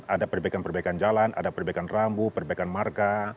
ada perbaikan perbaikan jalan ada perbaikan rambu perbaikan marka